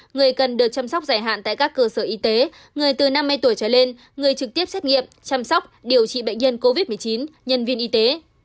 người cần được chăm sóc giải hạn tại các cơ sở y tế người từ năm mươi tuổi trở lên người trực tiếp xét nghiệm chăm sóc điều trị bệnh nhân covid một mươi chín nhân viên y tế